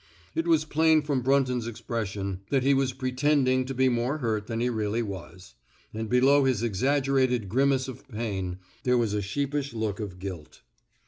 It was plain from Brunton ^s expression that he was pretending to be more hurt than he really was; and below his exaggerated grimace of pain, there was a sheepish look of guilt.